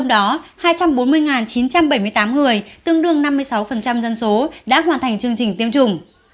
trong đó hai trăm bốn mươi chín trăm bảy mươi tám người tương đương năm mươi sáu dân số đã hoàn thành chương trình tiêm chủng